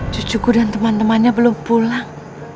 cucuku dan teman temannya belum pulang